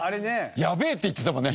「やべえ」って言ってたもんね。